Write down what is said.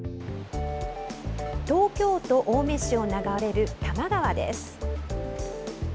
東京都青梅市を流れる多摩川です。